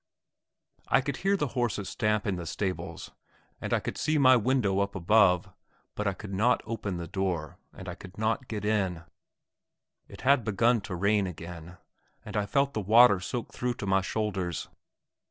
I could hear the horses stamp in the stables, and I could see my window above, but I could not open the door, and I could not get in. It had begun to rain again, and I felt the water soak through to my shoulders.